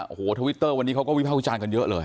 โอ้โหทวิตเตอร์วันนี้เขาก็วิภาควิจารณ์กันเยอะเลย